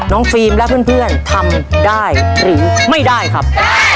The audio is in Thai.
ฟิล์มและเพื่อนทำได้หรือไม่ได้ครับ